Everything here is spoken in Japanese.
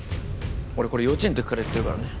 俺これ幼稚園の時から言ってるからね